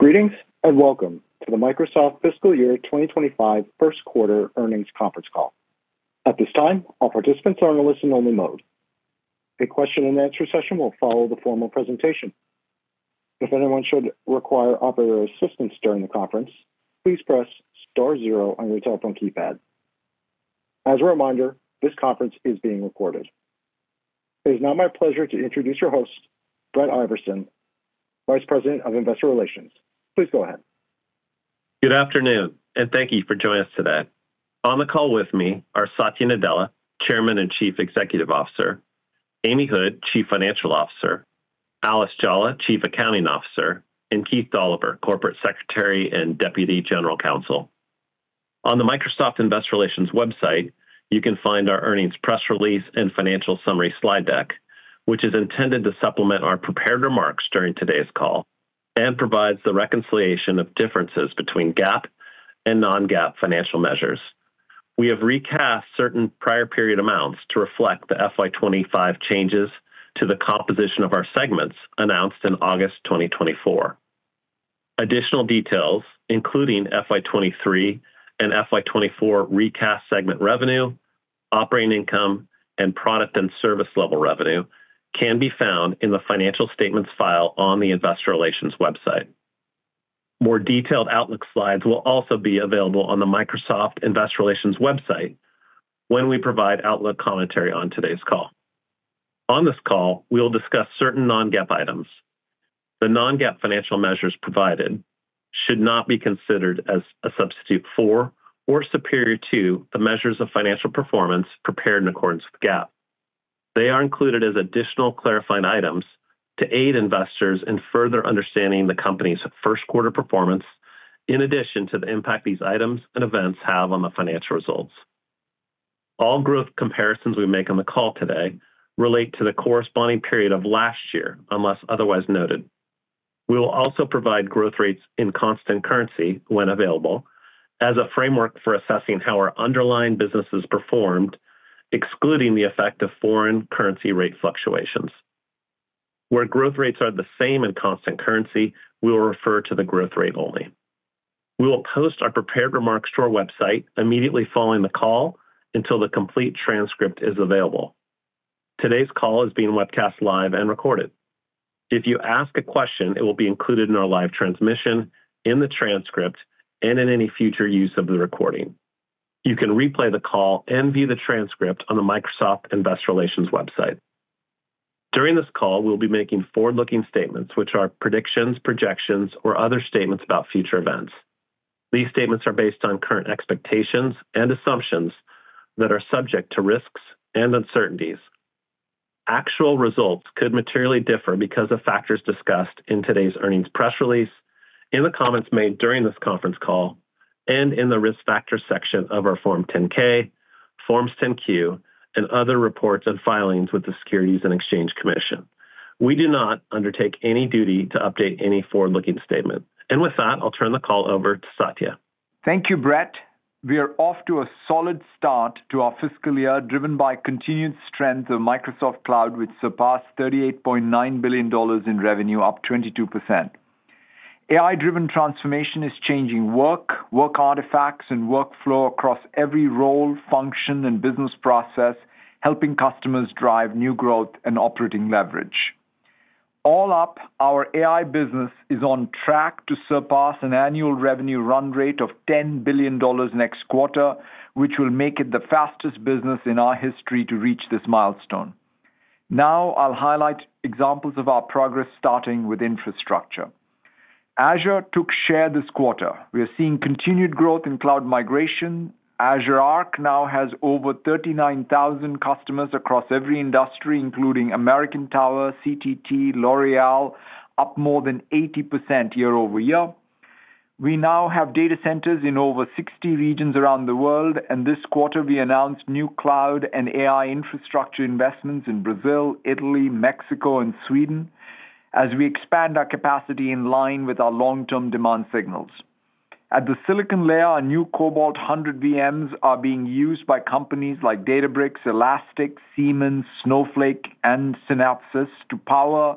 Greetings and welcome to the Microsoft Fiscal Year 2025 First Quarter Earnings Conference Call. At this time, all participants are in a listen-only mode. A question-and-answer session will follow the formal presentation. If anyone should require operator assistance during the conference, please press star zero on your cell phone keypad. As a reminder, this conference is being recorded. It is now my pleasure to introduce your host, Brett Iversen, Vice President of Investor Relations. Please go ahead. Good afternoon, and thank you for joining us today. On the call with me are Satya Nadella, Chairman and Chief Executive Officer, Amy Hood, Chief Financial Officer, Alice Jolla, Chief Accounting Officer, and Keith Dolliver, Corporate Secretary and Deputy General Counsel. On the Microsoft Investor Relations website, you can find our earnings press release and financial summary slide deck, which is intended to supplement our prepared remarks during today's call and provides the reconciliation of differences between GAAP and non-GAAP financial measures. We have recast certain prior period amounts to reflect the FY2025 changes to the composition of our segments announced in August 2024. Additional details, including FY2023 and FY2024 recast segment revenue, operating income, and product and service level revenue, can be found in the financial statements file on the Investor Relations website. More detailed Outlook slides will also be available on the Microsoft Investor Relations website when we provide Outlook commentary on today's call. On this call, we will discuss certain non-GAAP items. The non-GAAP financial measures provided should not be considered as a substitute for or superior to the measures of financial performance prepared in accordance with GAAP. They are included as additional clarifying items to aid investors in further understanding the company's first quarter performance, in addition to the impact these items and events have on the financial results. All growth comparisons we make on the call today relate to the corresponding period of last year, unless otherwise noted. We will also provide growth rates in constant currency when available as a framework for assessing how our underlying business has performed, excluding the effect of foreign currency rate fluctuations. Where growth rates are the same in constant currency, we will refer to the growth rate only. We will post our prepared remarks to our website immediately following the call until the complete transcript is available. Today's call is being webcast live and recorded. If you ask a question, it will be included in our live transmission, in the transcript, and in any future use of the recording. You can replay the call and view the transcript on the Microsoft Investor Relations website. During this call, we'll be making forward-looking statements, which are predictions, projections, or other statements about future events. These statements are based on current expectations and assumptions that are subject to risks and uncertainties. Actual results could materially differ because of factors discussed in today's earnings press release, in the comments made during this conference call, and in the risk factors section of our Form 10-K, Forms 10-Q, and other reports and filings with the Securities and Exchange Commission. We do not undertake any duty to update any forward-looking statement, and with that, I'll turn the call over to Satya. Thank you, Brett. We are off to a solid start to our fiscal year, driven by continued strength of Microsoft Cloud, which surpassed $38.9 billion in revenue, up 22%. AI-driven transformation is changing work, work artifacts, and workflow across every role, function, and business process, helping customers drive new growth and operating leverage. All up, our AI business is on track to surpass an annual revenue run rate of $10 billion next quarter, which will make it the fastest business in our history to reach this milestone. Now, I'll highlight examples of our progress, starting with infrastructure. Azure took share this quarter. We are seeing continued growth in cloud migration. Azure Arc now has over 39,000 customers across every industry, including American Tower, CTT, and L'Oréal, up more than 80% year over year. We now have data centers in over 60 regions around the world, and this quarter, we announced new cloud and AI infrastructure investments in Brazil, Italy, Mexico, and Sweden as we expand our capacity in line with our long-term demand signals. At the silicon layer, our new Cobalt 100 VMs are being used by companies like Databricks, Elastic, Siemens, Snowflake, and Synopsys to power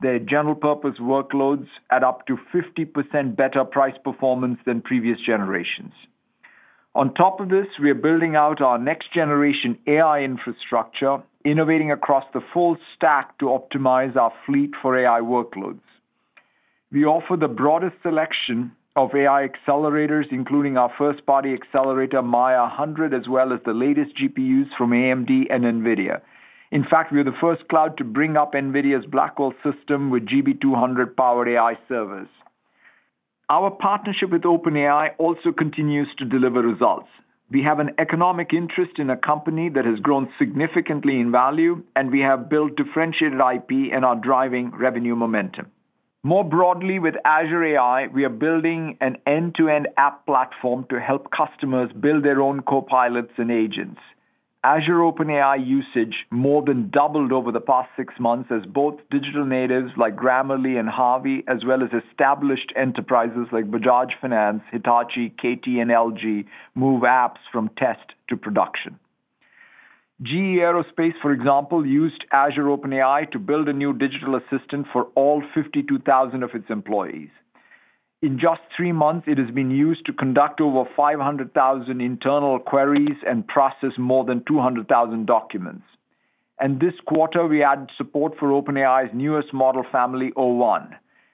their general-purpose workloads at up to 50% better price performance than previous generations. On top of this, we are building out our next-generation AI infrastructure, innovating across the full stack to optimize our fleet for AI workloads. We offer the broadest selection of AI accelerators, including our first-party accelerator, Maia 100, as well as the latest GPUs from AMD and NVIDIA. In fact, we are the first cloud to bring up NVIDIA's Blackwell system with GB200-powered AI servers. Our partnership with OpenAI also continues to deliver results. We have an economic interest in a company that has grown significantly in value, and we have built differentiated IP and are driving revenue momentum. More broadly, with Azure AI, we are building an end-to-end app platform to help customers build their own copilots and agents. Azure OpenAI usage more than doubled over the past six months as both digital natives like Grammarly and Harvey, as well as established enterprises like Bajaj Finance, Hitachi, KT, and LG, move apps from test to production. GE Aerospace, for example, used Azure OpenAI to build a new digital assistant for all 52,000 of its employees. In just three months, it has been used to conduct over 500,000 internal queries and process more than 200,000 documents, and this quarter, we added support for OpenAI's newest model family, o1.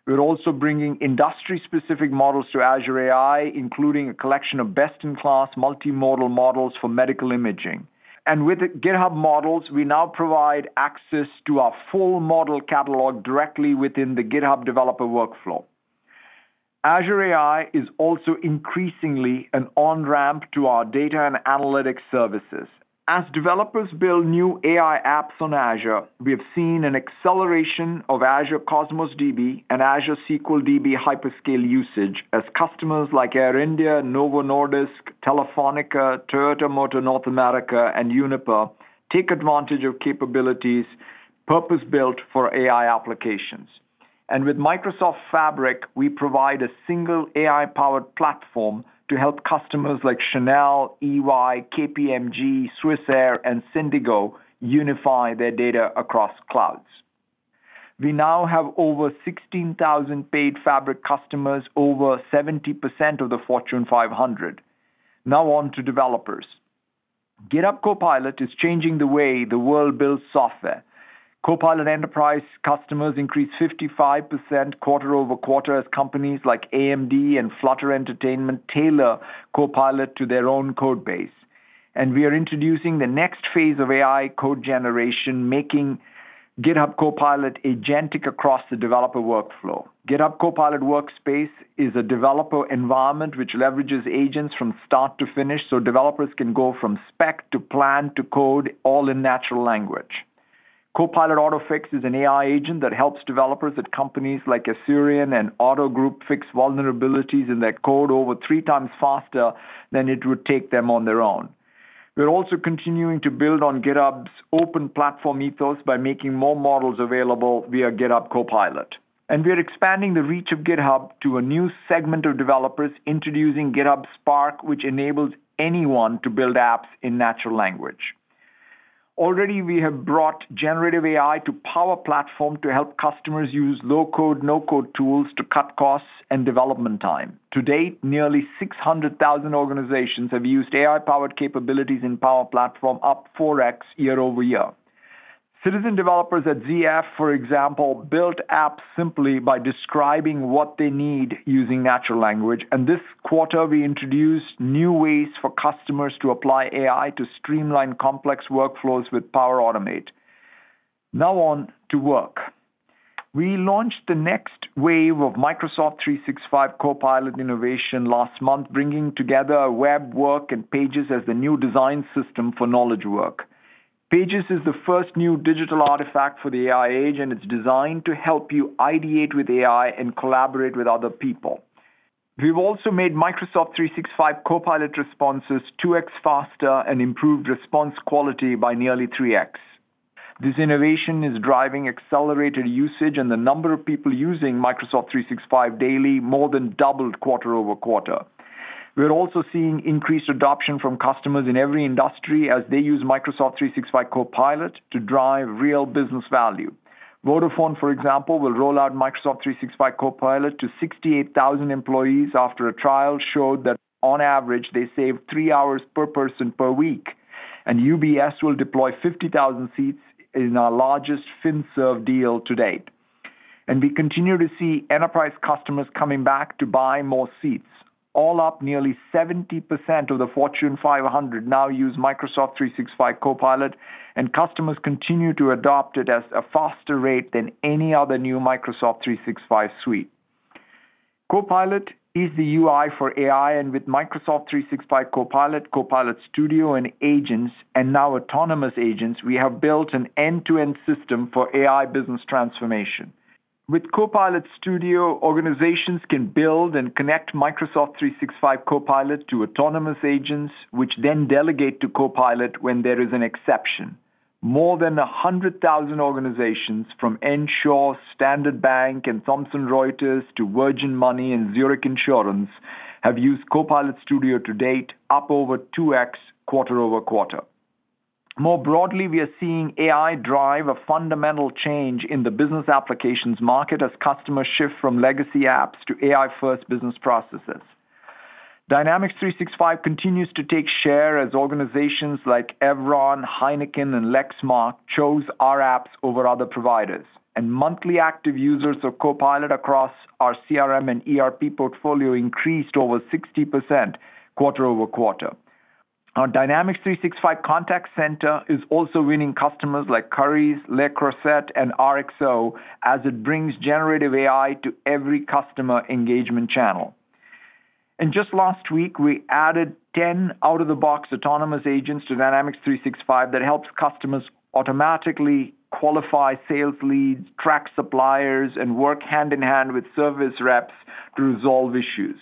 We're also bringing industry-specific models to Azure AI, including a collection of best-in-class multimodal models for medical imaging. And with GitHub Models, we now provide access to our full model catalog directly within the GitHub developer workflow. Azure AI is also increasingly an on-ramp to our data and analytics services. As developers build new AI apps on Azure, we have seen an acceleration of Azure Cosmos DB and Azure SQL DB hyperscale usage as customers like Air India, Novo Nordisk, Telefónica, Toyota Motor North America, and Uniper take advantage of capabilities purpose-built for AI applications. And with Microsoft Fabric, we provide a single AI-powered platform to help customers like Chanel, EY, KPMG, Swissair, and Syndigo unify their data across clouds. We now have over 16,000 paid Fabric customers, over 70% of the Fortune 500. Now on to developers. GitHub Copilot is changing the way the world builds software. Copilot Enterprise customers increased 55% quarter over quarter as companies like AMD and Flutter Entertainment tailor Copilot to their own code base. We are introducing the next phase of AI code generation, making GitHub Copilot agentic across the developer workflow. GitHub Copilot Workspace is a developer environment which leverages agents from start to finish so developers can go from spec to plan to code all in natural language. Copilot Autofix is an AI agent that helps developers at companies like Ather Energy and Otto Group fix vulnerabilities in their code over three times faster than it would take them on their own. We're also continuing to build on GitHub's open platform ethos by making more models available via GitHub Copilot. We are expanding the reach of GitHub to a new segment of developers, introducing GitHub Spark, which enables anyone to build apps in natural language. Already, we have brought generative AI to Power Platform to help customers use low-code, no-code tools to cut costs and development time. To date, nearly 600,000 organizations have used AI-powered capabilities in Power Platform, up 4X year over year. Citizen developers at ZF, for example, built apps simply by describing what they need using natural language. And this quarter, we introduced new ways for customers to apply AI to streamline complex workflows with Power Automate. Now on to work. We launched the next wave of Microsoft 365 Copilot innovation last month, bringing together web work and Pages as the new design system for knowledge work. Pages is the first new digital artifact for the AI age, and it's designed to help you ideate with AI and collaborate with other people. We've also made Microsoft 365 Copilot responses 2X faster and improved response quality by nearly 3X. This innovation is driving accelerated usage, and the number of people using Microsoft 365 daily more than doubled quarter over quarter. We're also seeing increased adoption from customers in every industry as they use Microsoft 365 Copilot to drive real business value. Vodafone, for example, will roll out Microsoft 365 Copilot to 68,000 employees after a trial showed that on average, they save three hours per person per week, and UBS will deploy 50,000 seats in our largest FinServ deal to date, and we continue to see enterprise customers coming back to buy more seats. All up, nearly 70% of the Fortune 500 now use Microsoft 365 Copilot, and customers continue to adopt it at a faster rate than any other new Microsoft 365 suite. Copilot is the UI for AI, and with Microsoft 365 Copilot, Copilot Studio, and agents, and now autonomous agents, we have built an end-to-end system for AI business transformation. With Copilot Studio, organizations can build and connect Microsoft 365 Copilot to autonomous agents, which then delegate to Copilot when there is an exception. More than 100,000 organizations, from Accenture, Standard Bank, and Thomson Reuters to Virgin Money and Zurich Insurance, have used Copilot Studio to date, up over 2X quarter over quarter. More broadly, we are seeing AI drive a fundamental change in the business applications market as customers shift from legacy apps to AI-first business processes. Dynamics 365 continues to take share as organizations like Chevron, Heineken, and Lexmark chose our apps over other providers. And monthly active users of Copilot across our CRM and ERP portfolio increased over 60% quarter over quarter. Our Dynamics 365 contact center is also winning customers like Currys, Le Creuset, and RXO as it brings generative AI to every customer engagement channel, and just last week, we added 10 out-of-the-box autonomous agents to Dynamics 365 that helps customers automatically qualify sales leads, track suppliers, and work hand-in-hand with service reps to resolve issues.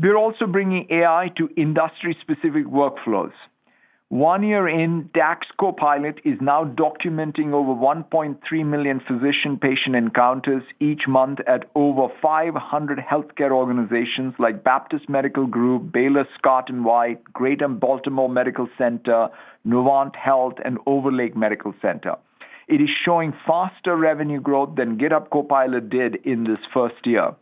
We're also bringing AI to industry-specific workflows. One year in, DAX Copilot is now documenting over 1.3 million physician-patient encounters each month at over 500 healthcare organizations like Baptist Medical Group, Baylor Scott & White, Greater Baltimore Medical Center, Novant Health, and Overlake Medical Center. It is showing faster revenue growth than GitHub Copilot did in this first year,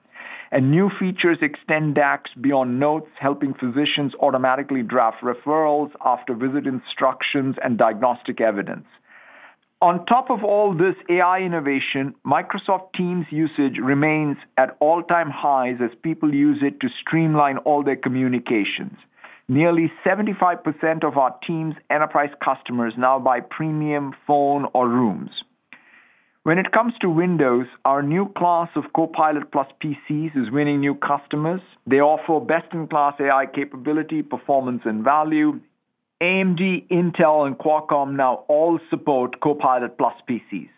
and new features extend DAX beyond notes, helping physicians automatically draft referrals after visit instructions and diagnostic evidence. On top of all this AI innovation, Microsoft Teams usage remains at all-time highs as people use it to streamline all their communications. Nearly 75% of our Teams enterprise customers now buy premium phone or rooms. When it comes to Windows, our new class of Copilot+ PCs is winning new customers. They offer best-in-class AI capability, performance, and value. AMD, Intel, and Qualcomm now all support Copilot+ PCs.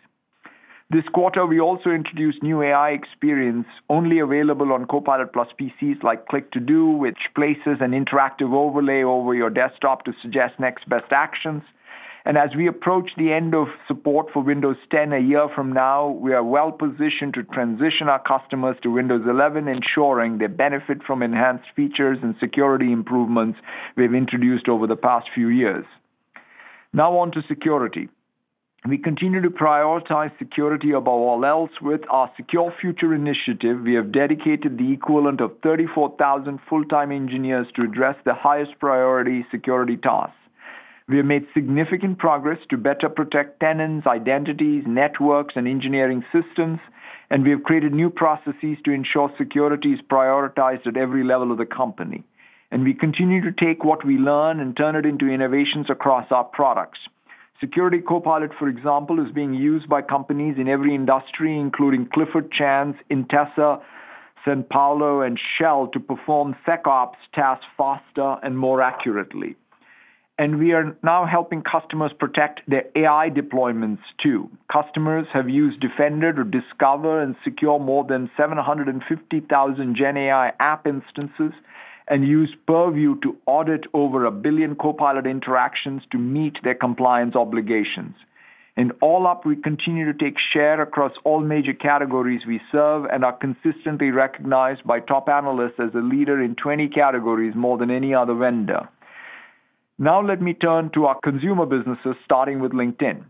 This quarter, we also introduced new AI experience only available on Copilot+ PCs like Click to Do, which places an interactive overlay over your desktop to suggest next best actions, and as we approach the end of support for Windows 10 a year from now, we are well-positioned to transition our customers to Windows 11, ensuring they benefit from enhanced features and security improvements we've introduced over the past few years. Now on to security. We continue to prioritize security above all else. With our Secure Future Initiative, we have dedicated the equivalent of 34,000 full-time engineers to address the highest priority security tasks. We have made significant progress to better protect tenants, identities, networks, and engineering systems, and we have created new processes to ensure security is prioritized at every level of the company, and we continue to take what we learn and turn it into innovations across our products. Security Copilot, for example, is being used by companies in every industry, including Clifford Chance, Intesa Sanpaolo, and Shell to perform SecOps tasks faster and more accurately, and we are now helping customers protect their AI deployments too. Customers have used Defender to discover and secure more than 750,000 GenAI app instances and used Purview to audit over a billion Copilot interactions to meet their compliance obligations. And all up, we continue to take share across all major categories we serve and are consistently recognized by top analysts as a leader in 20 categories more than any other vendor. Now let me turn to our consumer businesses, starting with LinkedIn.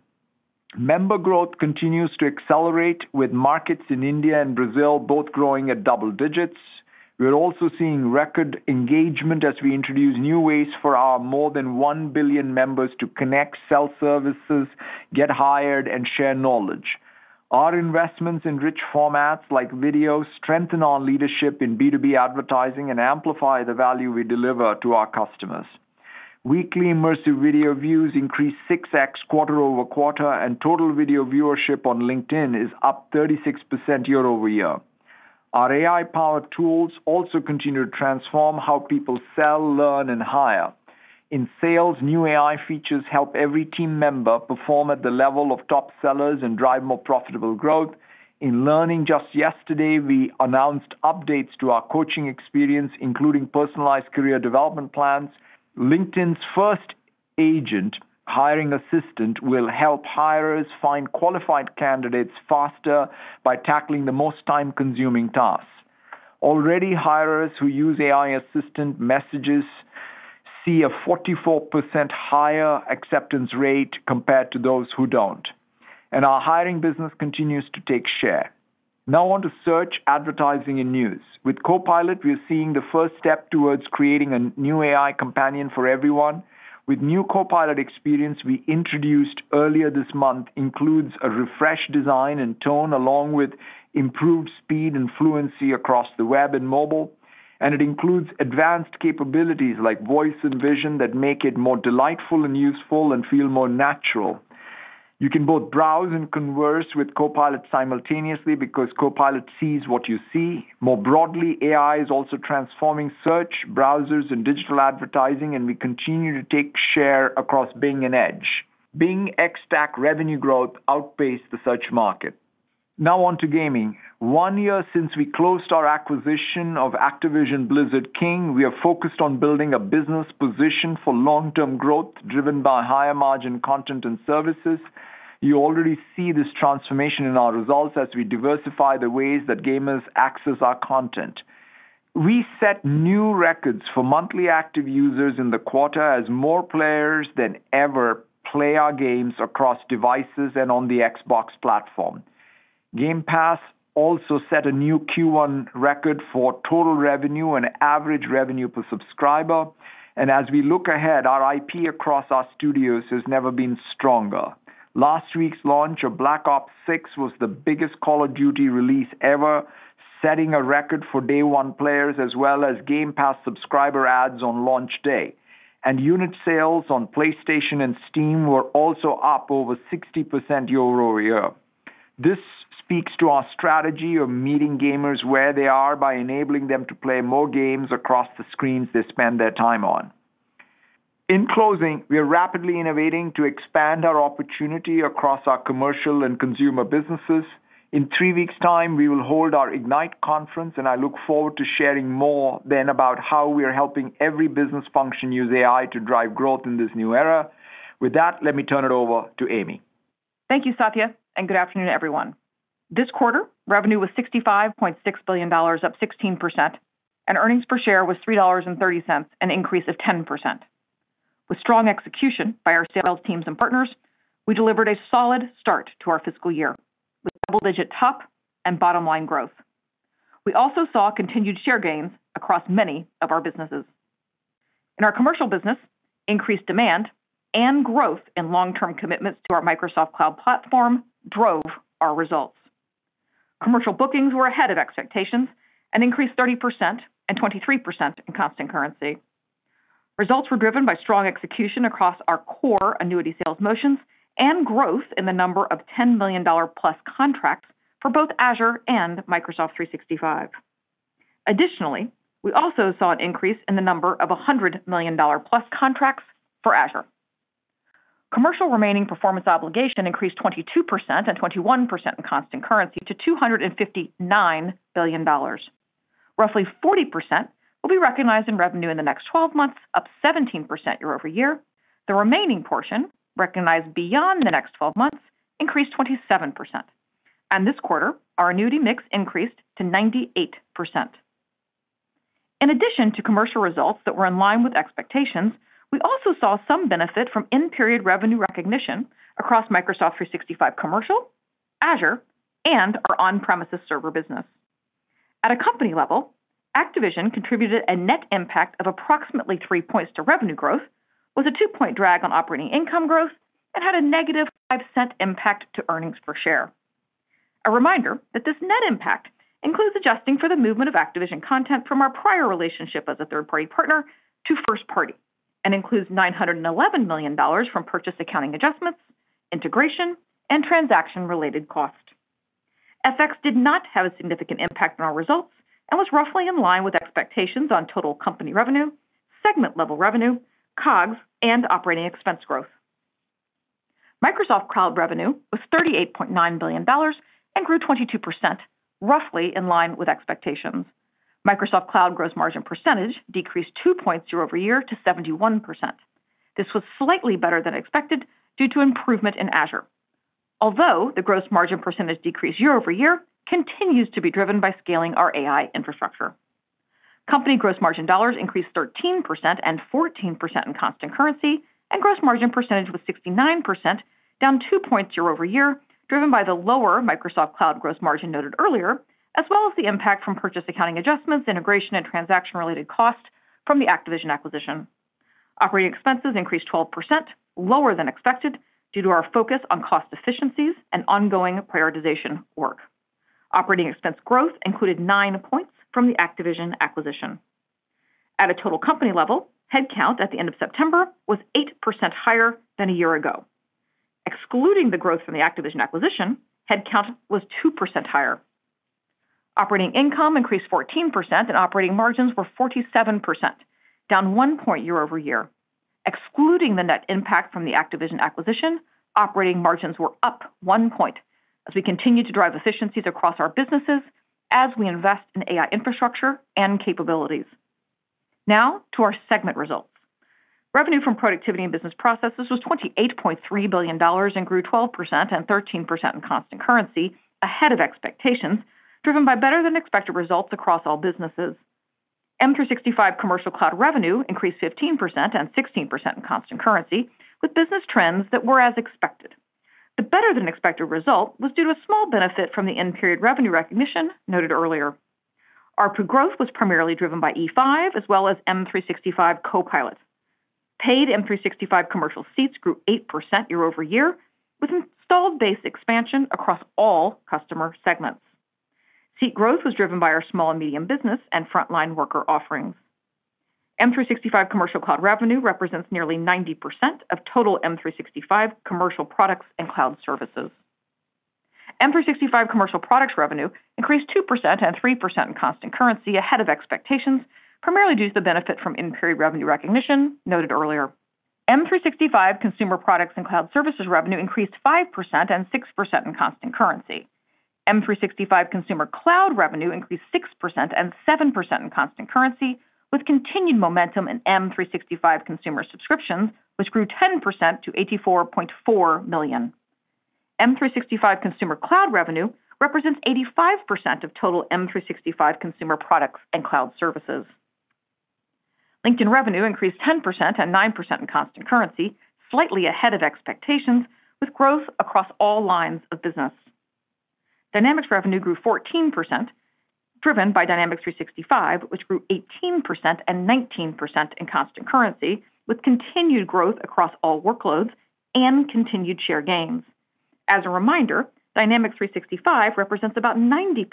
Member growth continues to accelerate with markets in India and Brazil both growing at double digits. We're also seeing record engagement as we introduce new ways for our more than one billion members to connect, sell services, get hired, and share knowledge. Our investments in rich formats like video strengthen our leadership in B2B advertising and amplify the value we deliver to our customers. Weekly immersive video views increase 6X quarter over quarter, and total video viewership on LinkedIn is up 36% year over year. Our AI-powered tools also continue to transform how people sell, learn, and hire. In sales, new AI features help every team member perform at the level of top sellers and drive more profitable growth. In learning, just yesterday, we announced updates to our coaching experience, including personalized career development plans. LinkedIn's first agent hiring assistant will help hirers find qualified candidates faster by tackling the most time-consuming tasks. Already, hirers who use AI assistant messages see a 44% higher acceptance rate compared to those who don't. And our hiring business continues to take share. Now on to search, advertising, and news. With Copilot, we're seeing the first step towards creating a new AI companion for everyone. With new Copilot experience we introduced earlier this month, it includes a refreshed design and tone along with improved speed and fluency across the web and mobile. And it includes advanced capabilities like voice and vision that make it more delightful and useful and feel more natural. You can both browse and converse with Copilot simultaneously because Copilot sees what you see. More broadly, AI is also transforming search, browsers, and digital advertising, and we continue to take share across Bing and Edge. Bing ex-TAC revenue growth outpaced the search market. Now on to gaming. One year since we closed our acquisition of Activision Blizzard King, we have focused on building a business position for long-term growth driven by higher margin content and services. You already see this transformation in our results as we diversify the ways that gamers access our content. We set new records for monthly active users in the quarter as more players than ever play our games across devices and on the Xbox platform. Game Pass also set a new Q1 record for total revenue and average revenue per subscriber. As we look ahead, our IP across our studios has never been stronger. Last week's launch of Black Ops 6 was the biggest Call of Duty release ever, setting a record for day one players as well as Game Pass subscriber adds on launch day. Unit sales on PlayStation and Steam were also up over 60% year over year. This speaks to our strategy of meeting gamers where they are by enabling them to play more games across the screens they spend their time on. In closing, we are rapidly innovating to expand our opportunity across our commercial and consumer businesses. In three weeks' time, we will hold our Ignite Conference, and I look forward to sharing more then about how we are helping every business function use AI to drive growth in this new era. With that, let me turn it over to Amy. Thank you, Satya, and good afternoon, everyone. This quarter, revenue was $65.6 billion, up 16%, and earnings per share was $3.30, an increase of 10%. With strong execution by our sales teams and partners, we delivered a solid start to our fiscal year with double-digit top and bottom-line growth. We also saw continued share gains across many of our businesses. In our commercial business, increased demand and growth in long-term commitments to our Microsoft Cloud Platform drove our results. Commercial bookings were ahead of expectations and increased 30% and 23% in constant currency. Results were driven by strong execution across our core annuity sales motions and growth in the number of $10 million-plus contracts for both Azure and Microsoft 365. Additionally, we also saw an increase in the number of $100 million-plus contracts for Azure. Commercial remaining performance obligation increased 22% and 21% in constant currency to $259 billion. Roughly 40% will be recognized in revenue in the next 12 months, up 17% year over year. The remaining portion recognized beyond the next 12 months increased 27%. And this quarter, our annuity mix increased to 98%. In addition to commercial results that were in line with expectations, we also saw some benefit from in-period revenue recognition across Microsoft 365 commercial, Azure, and our on-premises server business. At a company level, Activision contributed a net impact of approximately three points to revenue growth, was a two-point drag on operating income growth, and had a negative 5% impact to earnings per share. A reminder that this net impact includes adjusting for the movement of Activision content from our prior relationship as a third-party partner to first-party and includes $911 million from purchase accounting adjustments, integration, and transaction-related costs. FX did not have a significant impact on our results and was roughly in line with expectations on total company revenue, segment-level revenue, COGS, and operating expense growth. Microsoft Cloud revenue was $38.9 billion and grew 22%, roughly in line with expectations. Microsoft Cloud gross margin percentage decreased 2.0% year over year to 71%. This was slightly better than expected due to improvement in Azure. Although the gross margin percentage decreased year over year, it continues to be driven by scaling our AI infrastructure. Company gross margin dollars increased 13% and 14% in constant currency, and gross margin percentage was 69%, down 2.0% year over year, driven by the lower Microsoft Cloud gross margin noted earlier, as well as the impact from purchase accounting adjustments, integration, and transaction-related costs from the Activision acquisition. Operating expenses increased 12%, lower than expected due to our focus on cost efficiencies and ongoing prioritization work. Operating expense growth included nine points from the Activision acquisition. At a total company level, headcount at the end of September was 8% higher than a year ago. Excluding the growth from the Activision acquisition, headcount was 2% higher. Operating income increased 14%, and operating margins were 47%, down 1.0% year over year. Excluding the net impact from the Activision acquisition, operating margins were up 1.0% as we continue to drive efficiencies across our businesses as we invest in AI infrastructure and capabilities. Now to our segment results. Revenue from productivity and business processes was $28.3 billion and grew 12% and 13% in constant currency ahead of expectations, driven by better-than-expected results across all businesses. M365 commercial cloud revenue increased 15% and 16% in constant currency with business trends that were as expected. The better-than-expected result was due to a small benefit from the in-period revenue recognition noted earlier. Our growth was primarily driven by E5 as well as M365 Copilot. Paid M365 commercial seats grew 8% year over year with installed base expansion across all customer segments. Seat growth was driven by our small and medium business and frontline worker offerings. M365 commercial cloud revenue represents nearly 90% of total M365 commercial products and cloud services. M365 commercial products revenue increased 2% and 3% in constant currency ahead of expectations, primarily due to the benefit from in-period revenue recognition noted earlier. M365 consumer products and cloud services revenue increased 5% and 6% in constant currency. M365 consumer cloud revenue increased 6% and 7% in constant currency with continued momentum in M365 consumer subscriptions, which grew 10% to 84.4 million. M365 consumer cloud revenue represents 85% of total M365 consumer products and cloud services. LinkedIn revenue increased 10% and 9% in constant currency, slightly ahead of expectations with growth across all lines of business. Dynamics revenue grew 14%, driven by Dynamics 365, which grew 18% and 19% in constant currency with continued growth across all workloads and continued share gains. As a reminder, Dynamics 365 represents about 90%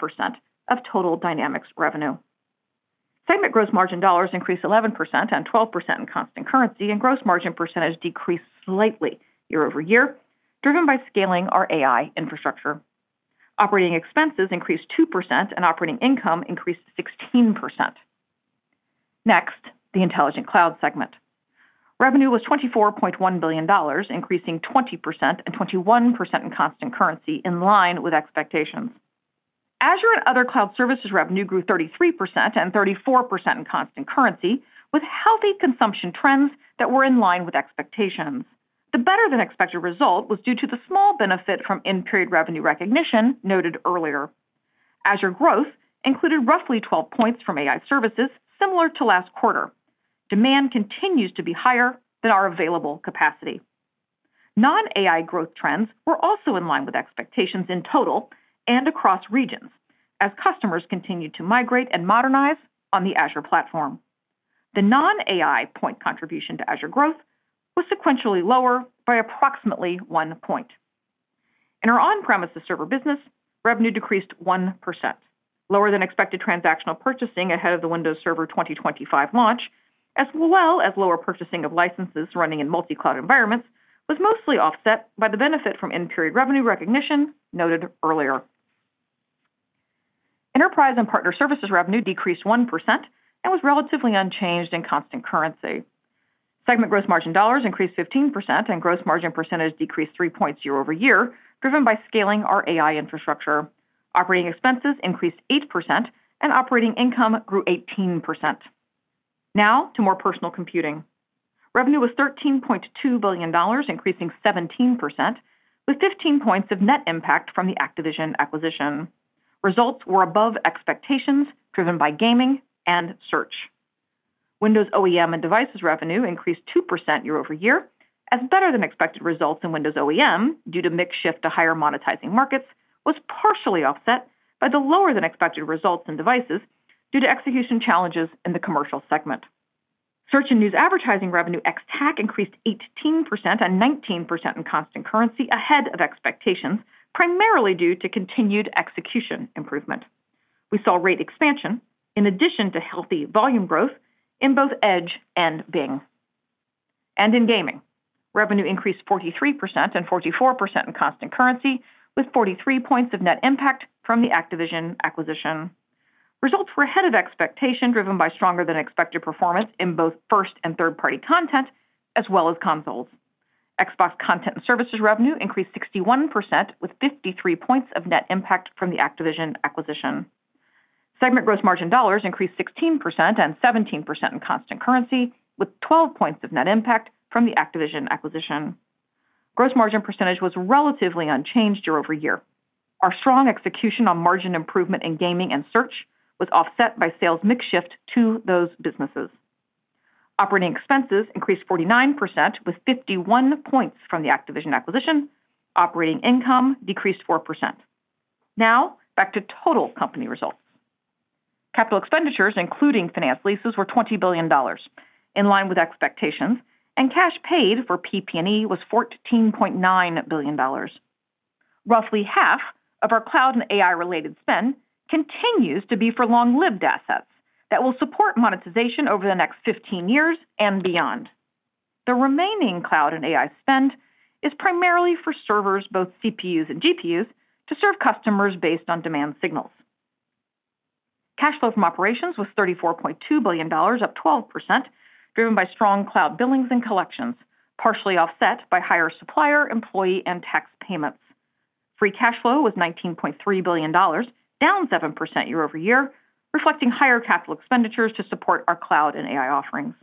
of total Dynamics revenue. Segment gross margin dollars increased 11% and 12% in constant currency, and gross margin percentage decreased slightly year over year, driven by scaling our AI infrastructure. Operating expenses increased 2% and operating income increased 16%. Next, the intelligent cloud segment. Revenue was $24.1 billion, increasing 20% and 21% in constant currency in line with expectations. Azure and other cloud services revenue grew 33% and 34% in constant currency with healthy consumption trends that were in line with expectations. The better-than-expected result was due to the small benefit from in-period revenue recognition noted earlier. Azure growth included roughly 12 points from AI services similar to last quarter. Demand continues to be higher than our available capacity. Non-AI growth trends were also in line with expectations in total and across regions as customers continued to migrate and modernize on the Azure platform. The non-AI point contribution to Azure growth was sequentially lower by approximately one point. In our on-premises server business, revenue decreased 1%, lower-than-expected transactional purchasing ahead of the Windows Server 2025 launch, as well as lower purchasing of licenses running in multi-cloud environments, was mostly offset by the benefit from in-period revenue recognition noted earlier. Enterprise and partner services revenue decreased 1% and was relatively unchanged in constant currency. Segment gross margin dollars increased 15% and gross margin percentage decreased 3.0% year over year, driven by scaling our AI infrastructure. Operating expenses increased 8% and operating income grew 18%. Now to More Personal Computing. Revenue was $13.2 billion, increasing 17%, with 15 points of net impact from the Activision acquisition. Results were above expectations, driven by gaming and search. Windows OEM and devices revenue increased 2% year over year, as better-than-expected results in Windows OEM due to mixed shift to higher monetizing markets was partially offset by the lower-than-expected results in devices due to execution challenges in the commercial segment. Search and news advertising revenue ex-TAC increased 18% and 19% in constant currency ahead of expectations, primarily due to continued execution improvement. We saw rate expansion in addition to healthy volume growth in both Edge and Bing. In gaming, revenue increased 43% and 44% in constant currency, with 43 points of net impact from the Activision acquisition. Results were ahead of expectation, driven by stronger-than-expected performance in both first and third-party content as well as consoles. Xbox content and services revenue increased 61%, with 53 points of net impact from the Activision acquisition. Segment gross margin dollars increased 16% and 17% in constant currency, with 12 points of net impact from the Activision acquisition. Gross margin percentage was relatively unchanged year over year. Our strong execution on margin improvement in gaming and search was offset by sales mix shift to those businesses. Operating expenses increased 49%, with 51 points from the Activision acquisition. Operating income decreased 4%. Now back to total company results. Capital expenditures, including finance leases, were $20 billion, in line with expectations, and cash paid for PP&E was $14.9 billion. Roughly half of our cloud and AI-related spend continues to be for long-lived assets that will support monetization over the next 15 years and beyond. The remaining cloud and AI spend is primarily for servers, both CPUs and GPUs, to serve customers based on demand signals. Cash flow from operations was $34.2 billion, up 12%, driven by strong cloud billings and collections, partially offset by higher supplier, employee, and tax payments. Free cash flow was $19.3 billion, down 7% year over year, reflecting higher capital expenditures to support our cloud and AI offerings.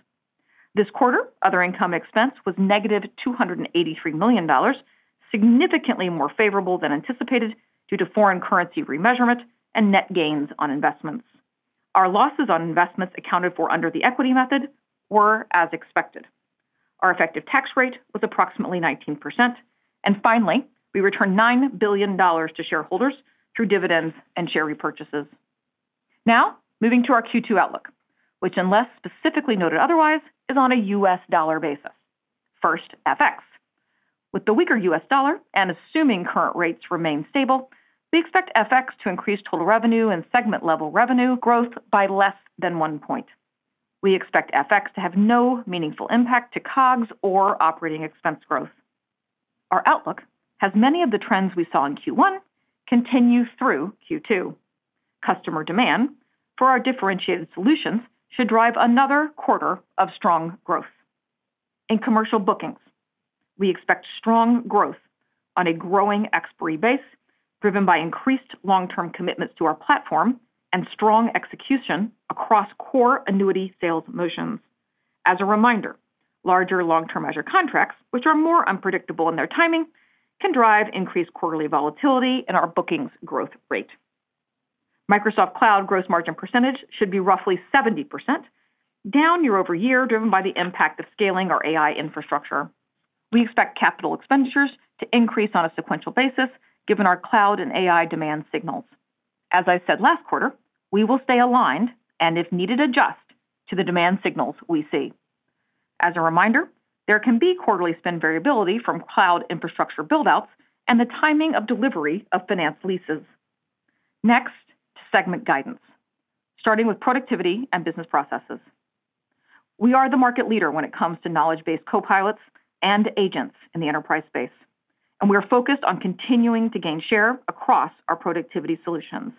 This quarter, other income expense was negative $283 million, significantly more favorable than anticipated due to foreign currency remeasurement and net gains on investments. Our losses on investments accounted for under the equity method were as expected. Our effective tax rate was approximately 19%. And finally, we returned $9 billion to shareholders through dividends and share repurchases. Now moving to our Q2 outlook, which, unless specifically noted otherwise, is on a U.S. dollar basis. First, FX. With the weaker US dollar and assuming current rates remain stable, we expect FX to increase total revenue and segment-level revenue growth by less than one point. We expect FX to have no meaningful impact to COGS or OpEx growth. Our outlook has many of the trends we saw in Q1 continue through Q2. Customer demand for our differentiated solutions should drive another quarter of strong growth. In commercial bookings, we expect strong growth on a growing expiry base, driven by increased long-term commitments to our platform and strong execution across core annuity sales motions. As a reminder, larger long-term Azure contracts, which are more unpredictable in their timing, can drive increased quarterly volatility in our bookings growth rate. Microsoft Cloud gross margin percentage should be roughly 70%, down year over year, driven by the impact of scaling our AI infrastructure. We expect CapEx to increase on a sequential basis, given our cloud and AI demand signals. As I said last quarter, we will stay aligned and, if needed, adjust to the demand signals we see. As a reminder, there can be quarterly spend variability from cloud infrastructure buildouts and the timing of delivery of finance leases. Next, to segment guidance, starting with productivity and business processes. We are the market leader when it comes to knowledge-based copilots and agents in the enterprise space, and we are focused on continuing to gain share across our productivity solutions.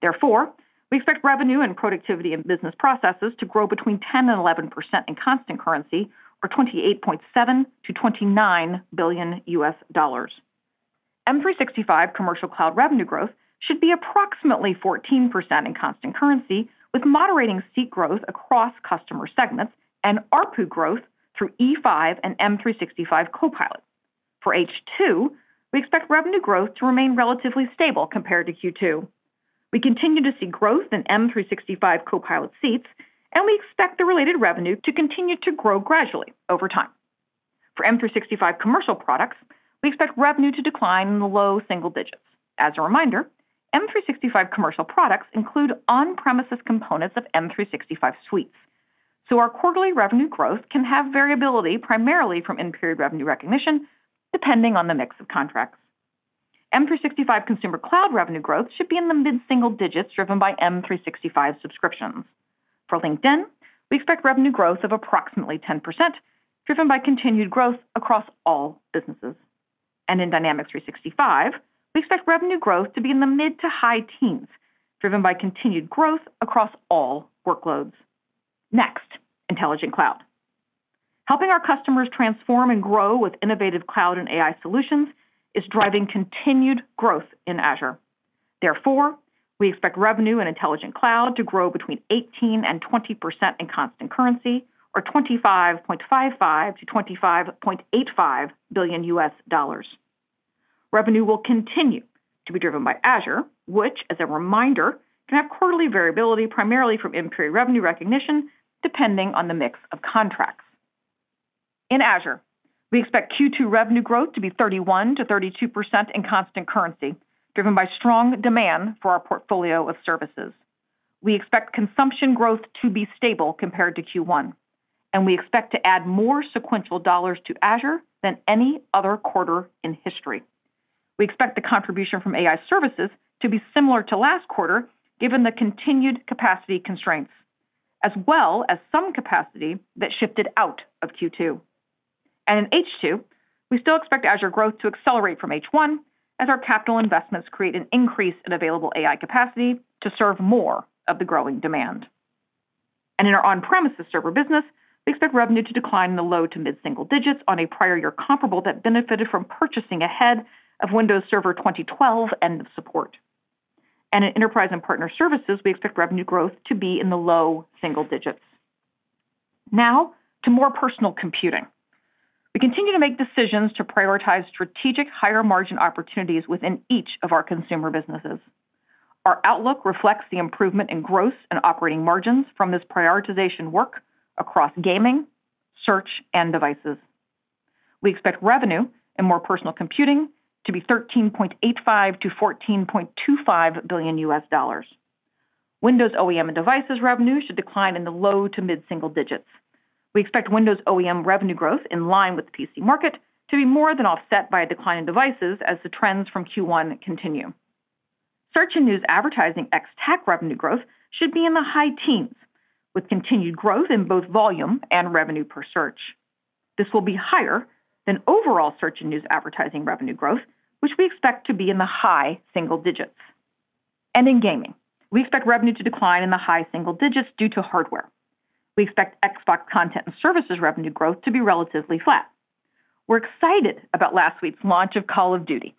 Therefore, we expect revenue in productivity and business processes to grow between 10%-11% in constant currency or $28.7 billion-$29 billion. M365 commercial cloud revenue growth should be approximately 14% in constant currency, with moderating seat growth across customer segments and ARPU growth through E5 and M365 Copilot. For H2, we expect revenue growth to remain relatively stable compared to Q2. We continue to see growth in M365 Copilot seats, and we expect the related revenue to continue to grow gradually over time. For M365 commercial products, we expect revenue to decline in the low single digits. As a reminder, M365 commercial products include on-premises components of M365 suites, so our quarterly revenue growth can have variability primarily from in-period revenue recognition, depending on the mix of contracts. M365 consumer cloud revenue growth should be in the mid-single digits, driven by M365 subscriptions. For LinkedIn, we expect revenue growth of approximately 10%, driven by continued growth across all businesses. In Dynamics 365, we expect revenue growth to be in the mid to high teens, driven by continued growth across all workloads. Next, Intelligent Cloud. Helping our customers transform and grow with innovative cloud and AI solutions is driving continued growth in Azure. Therefore, we expect revenue and intelligent cloud to grow between 18% and 20% in constant currency or $25.55-$25.85 billion. Revenue will continue to be driven by Azure, which, as a reminder, can have quarterly variability primarily from in-period revenue recognition, depending on the mix of contracts. In Azure, we expect Q2 revenue growth to be 31%-32% in constant currency, driven by strong demand for our portfolio of services. We expect consumption growth to be stable compared to Q1, and we expect to add more sequential dollars to Azure than any other quarter in history. We expect the contribution from AI services to be similar to last quarter, given the continued capacity constraints, as well as some capacity that shifted out of Q2. In H2, we still expect Azure growth to accelerate from H1, as our capital investments create an increase in available AI capacity to serve more of the growing demand. In our on-premises server business, we expect revenue to decline in the low to mid-single digits on a prior year comparable that benefited from purchasing ahead of Windows Server 2012 end of support. In enterprise and partner services, we expect revenue growth to be in the low single digits. Now to More Personal Computing. We continue to make decisions to prioritize strategic higher margin opportunities within each of our consumer businesses. Our outlook reflects the improvement in gross and operating margins from this prioritization work across gaming, search, and devices. We expect revenue in More Personal Computing to be $13.85 billion-$14.25 billion. Windows OEM and devices revenue should decline in the low to mid-single digits. We expect Windows OEM revenue growth in line with the PC market to be more than offset by a decline in devices as the trends from Q1 continue. Search and news advertising ex-TAC revenue growth should be in the high teens, with continued growth in both volume and revenue per search. This will be higher than overall search and news advertising revenue growth, which we expect to be in the high single digits, and in gaming, we expect revenue to decline in the high single digits due to hardware. We expect Xbox content and services revenue growth to be relatively flat. We're excited about last week's launch of Call of Duty,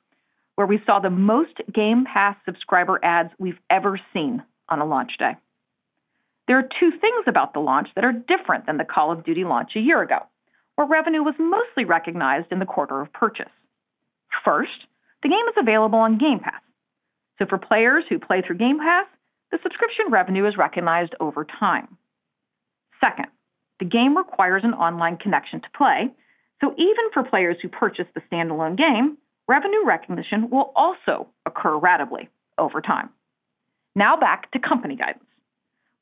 where we saw the most Game Pass subscriber adds we've ever seen on a launch day. There are two things about the launch that are different than the Call of Duty launch a year ago, where revenue was mostly recognized in the quarter of purchase. First, the game is available on Game Pass, so for players who play through Game Pass, the subscription revenue is recognized over time. Second, the game requires an online connection to play, so even for players who purchase the standalone game, revenue recognition will also occur ratably over time. Now back to company guidance.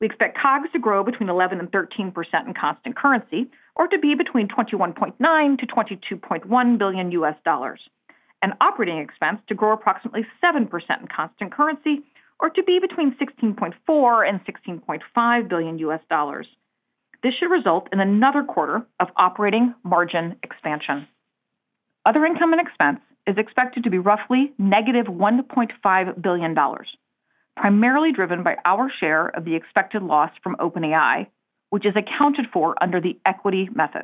We expect COGS to grow between 11% and 13% in constant currency or to be between $21.9-$22.1 billion, and operating expense to grow approximately 7% in constant currency or to be between $16.4-$16.5 billion. This should result in another quarter of operating margin expansion. Other income and expense is expected to be roughly negative $1.5 billion, primarily driven by our share of the expected loss from OpenAI, which is accounted for under the equity method.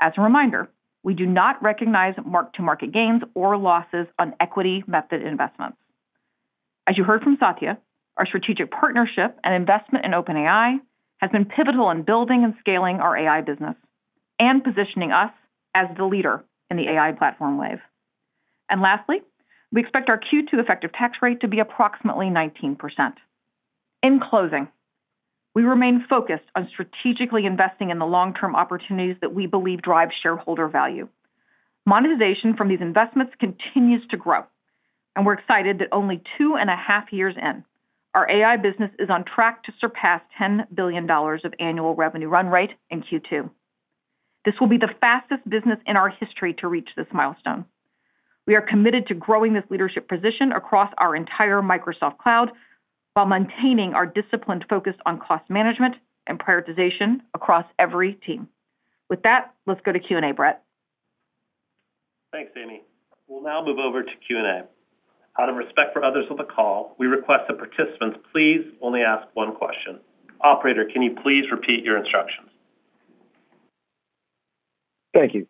As a reminder, we do not recognize mark-to-market gains or losses on equity method investments. As you heard from Satya, our strategic partnership and investment in OpenAI has been pivotal in building and scaling our AI business and positioning us as the leader in the AI platform wave. And lastly, we expect our Q2 effective tax rate to be approximately 19%. In closing, we remain focused on strategically investing in the long-term opportunities that we believe drive shareholder value. Monetization from these investments continues to grow, and we're excited that only two and a half years in, our AI business is on track to surpass $10 billion of annual revenue run rate in Q2. This will be the fastest business in our history to reach this milestone. We are committed to growing this leadership position across our entire Microsoft Cloud while maintaining our discipline focused on cost management and prioritization across every team. With that, let's go to Q&A, Brett. Thanks, Amy. We'll now move over to Q&A. Out of respect for others on the call, we request that participants please only ask one question. Operator, can you please repeat your instructions? Thank you.